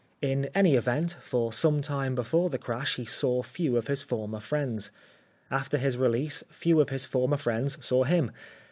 In any event, for some time before the crash he saw few of his former friends. After his release few of his former friends saw him.